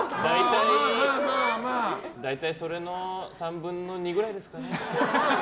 大体それの３分の２ぐらいですかね。